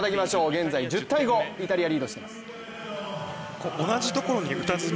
現在１０−５イタリア、リードしています。